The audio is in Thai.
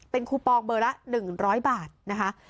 เป็นคูปองเบอร์ละ๑๐๐บาทนะคะ